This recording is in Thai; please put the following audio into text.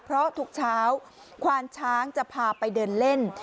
เพราะทุกเช้าควานช้างจะพาไปเดินเล่น